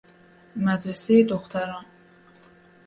مدرسه دختران